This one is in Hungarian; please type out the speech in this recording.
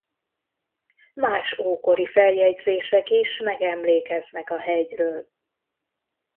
Más ókori feljegyzések is megemlékeznek a hegyről.